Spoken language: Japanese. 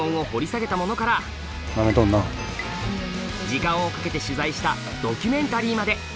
時間をかけて取材したドキュメンタリーまで。